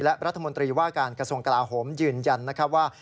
และรัฐมนตรีว่าการกระทรวงกลาโหมยืนยันนะครับว่า